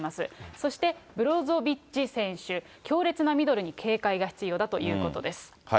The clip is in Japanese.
そしてブロゾビッチ選手、強烈なミドルに警戒が必要だということです。